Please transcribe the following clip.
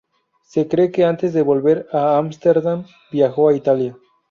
Se cree que antes de volver a Ámsterdam, viajó a Italia.